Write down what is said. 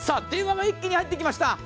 電話が一気に入ってきました。